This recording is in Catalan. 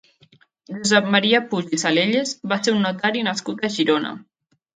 Josep Maria Puig i Salellas va ser un notari nascut a Girona.